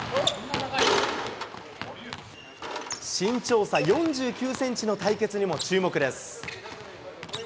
身長差４９センチの対決にも注目です。